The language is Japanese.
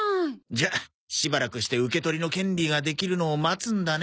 じゃあしばらくして受け取りの権利ができるのを待つんだね。